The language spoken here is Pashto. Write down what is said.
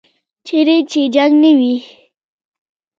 چیرې چې جنګ نه وي.